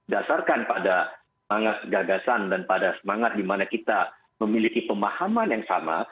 dasarkan pada semangat gagasan dan pada semangat dimana kita memiliki pemahaman yang sama